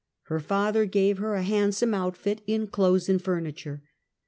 Her father gave her a handsome outfit in clothes and furni ture.